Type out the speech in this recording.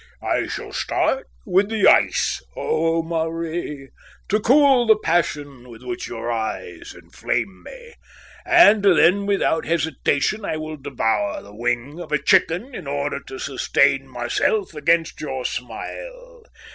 "I shall start with the ice, O Marie, to cool the passion with which your eyes inflame me, and then without hesitation I will devour the wing of a chicken in order to sustain myself against your smile.